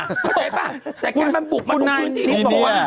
เข้าใจหรือเปล่าแต่แค่มันปุกมาตรงทุกตินทุกคน